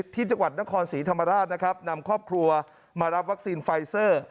ที่จังหวัดนครศรีธรรมราชนะครับนำครอบครัวมารับวัคซีนไฟเซอร์